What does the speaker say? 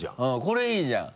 これいいじゃん。